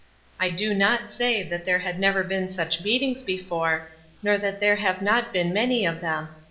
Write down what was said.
I do not say that there had never been such meetings before, nor that there have not been many of them.